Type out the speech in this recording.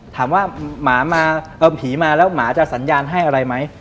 ถามว่าหมามาเอาผีมาแล้วหมาจะสัญญาณให้อะไรไหม